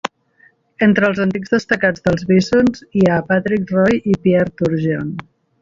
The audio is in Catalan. Entre els antics destacats dels Bisons hi ha Patrick Roy i Pierre Turgeon.